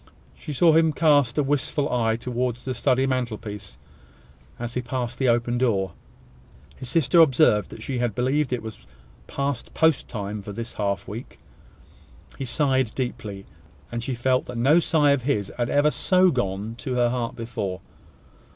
She saw him cast a wistful eye towards the study mantelpiece, as he passed the open door. His sister observed that she believed it was past post time for this half week. He sighed deeply; and she felt that no sigh of his had ever so gone to her heart before.